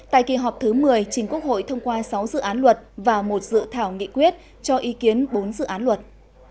tại kỳ họp thứ một mươi chính quốc hội thông qua sáu dự án luật và một dự thảo nghị quyết cho ý kiến bốn dự án luật